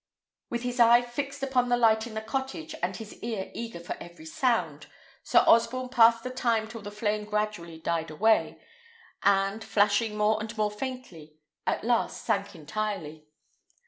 With his eye fixed upon the light in the cottage, and his ear eager for every sound, Sir Osborne passed the time till the flame gradually died away, and, flashing more and more faintly, at last sank entirely.